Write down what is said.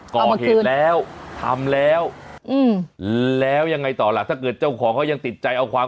ก่อเหตุแล้วทำแล้วแล้วยังไงต่อล่ะถ้าเกิดเจ้าของเขายังติดใจเอาความ